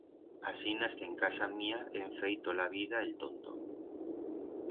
Asinas que en casa mía hem feit tot la vida el tonto.